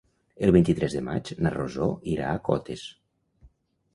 El vint-i-tres de maig na Rosó irà a Cotes.